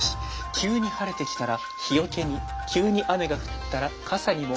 急に晴れてきたら日よけに急に雨が降ったら傘にも。